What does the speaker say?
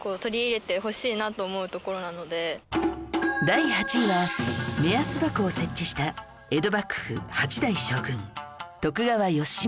第８位は目安箱を設置した江戸幕府８代将軍徳川吉宗